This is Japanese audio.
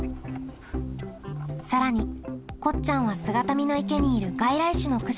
更にこっちゃんは姿見の池にいる外来種の駆除にも参加。